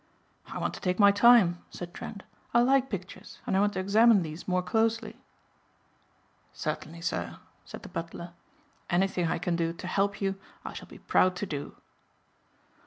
"I want to take my time," said Trent, "I like pictures and I want to examine these more closely." "Certainly, sir," said the butler. "Anything I can do to help you I shall be proud to do."